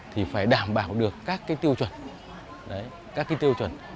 thì phải đảm bảo được các cái tiêu chuẩn